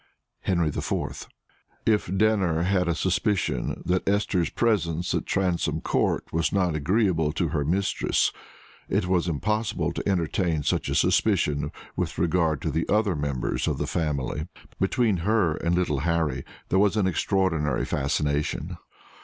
Henry VI. If Denner had had a suspicion that Esther's presence at Transome Court was not agreeable to her mistress, it was impossible to entertain such a suspicion with regard to the other members of the family. Between her and little Harry there was an extraordinary fascination.